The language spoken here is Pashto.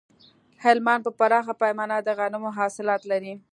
هلمند په پراخه پیمانه د غنمو حاصلات لري